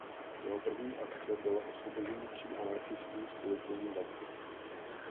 Jeho první akce byla osvobození tří anarchistů z policejní vazby.